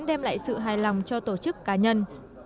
đem lại sự hài lòng cho tổ chức cá nhân